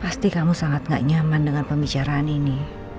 pasti kamu sangat gak nyaman dengan pembicaraan ini